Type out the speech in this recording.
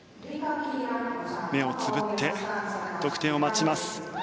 目をつぶって、得点を待ちます。